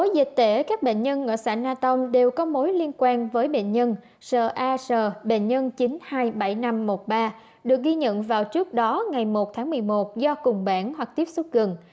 dịch tễ các bệnh nhân ở xã na tông đều có mối liên quan với bệnh nhân sa bệnh nhân chín trăm hai mươi bảy nghìn năm trăm một mươi ba được ghi nhận vào trước đó ngày một tháng một mươi một do cùng bản hoặc tiếp xúc gần